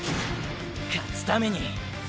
勝つために！！